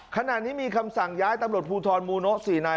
ขณะนี้มีคำสั่งย้ายตำรวจภูทรมูโนะ๔นาย